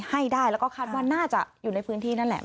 ให้ได้แล้วก็คาดว่าน่าจะอยู่ในพื้นที่นั่นแหละ